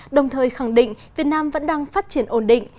đồng thời khẳng định việt nam vẫn đang phát triển ổn định